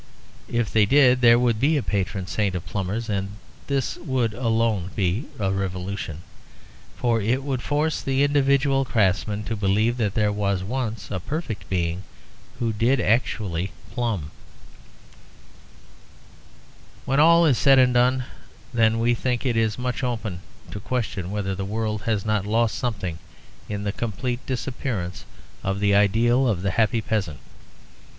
If they did there would be a Patron Saint of Plumbers, and this would alone be a revolution, for it would force the individual craftsman to believe that there was once a perfect being who did actually plumb. When all is said and done, then, we think it much open to question whether the world has not lost something in the complete disappearance of the ideal of the happy peasant.